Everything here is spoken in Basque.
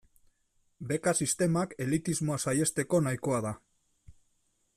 Beka sistemak elitismoa saihesteko nahikoa da.